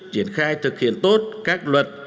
triển khai thực hiện tốt các luật